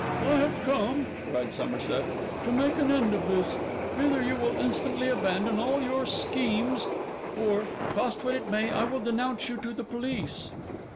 'I have come,' cried Somerset, 'to make an end of this. Either you will instantly abandon all your schemes, or (cost what it may) I will denounce you to the police.